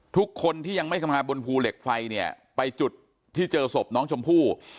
ทุกคนที่ยังไม่เข้ามาบนภูเหล็กไฟเนี่ยไปจุดที่เจอศพน้องชมพู่